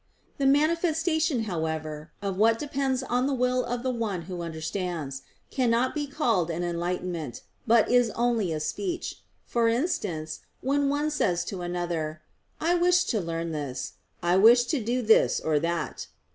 The manifestation, however, of what depends on the will of the one who understands, cannot be called an enlightenment, but is only a speech; for instance, when one says to another: "I wish to learn this; I wish to do this or that."